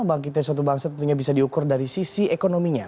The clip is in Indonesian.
bangkitnya suatu bangsa tentunya bisa diukur dari sisi ekonominya